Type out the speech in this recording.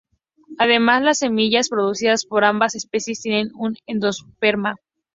Además, las semillas producidas por ambas especies tienen un endosperma.